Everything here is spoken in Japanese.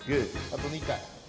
あと２かい。